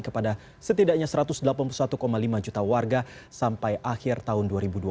kepada setidaknya satu ratus delapan puluh satu lima juta warga sampai akhir tahun dua ribu dua puluh